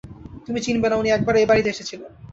তুমি চিনবে না, উনি এক বার এ-বাড়িতে এসেছিলেন।